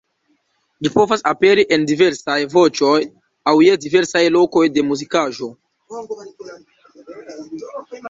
Ĝi povas aperi en diversaj voĉoj aŭ je diversaj lokoj de muzikaĵo.